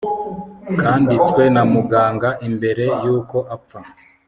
kanditswe na muganga imbere yuko apfa